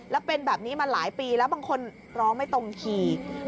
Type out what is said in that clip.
แล้วเป็นแบบนี้มาหลายปีแล้วบางคนร้องไม่ตรงขี่